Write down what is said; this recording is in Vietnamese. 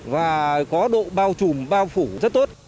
và có độ bao trùm bao phủ rất tốt